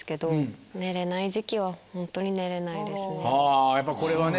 あやっぱこれはね